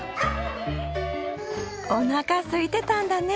おなかすいてたんだね